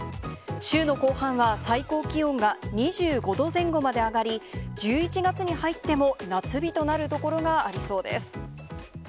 週の後半は最高気温が２５度前後まで上がり、１１月に入っても、夏日となる所がありそうです。